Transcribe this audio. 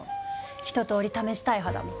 一とおり試したい派だもん。